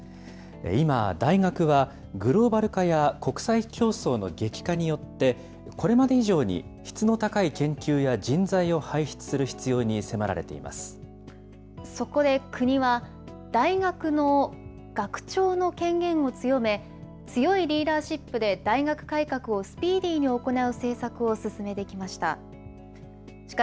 今、大学はグローバル化や国際競争の激化によって、これまで以上に質の高い研究や人材を輩出する必要に迫られていまそこで国は、大学の学長の権限を強め、強いリーダーシップで大学改革をスピーディーに行う政策を進めてきました。